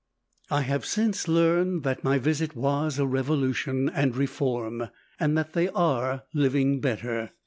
I have since learned that my visit was a revolution and reform, and that they are living better.